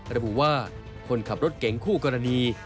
ระบุว่าคนขับรถเก่งคู่กรณี